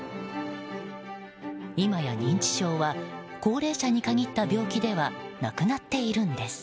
今や認知症は、高齢者に限った病気ではなくなっているんです。